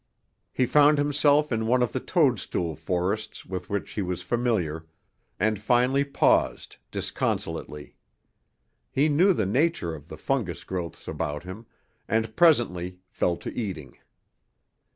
He found himself in one of the toadstool forests with which he was familiar, and finally paused, disconsolately. He knew the nature of the fungus growths about him, and presently fell to eating.